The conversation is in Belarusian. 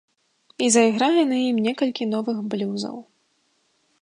І зайграе на ім некалькі новых блюзаў.